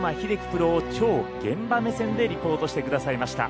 プロを超現場目線でリポートしてくださいました。